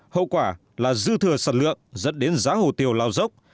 hậu quả là dư thừa sản lượng dẫn đến giá hồ tiêu lao dốc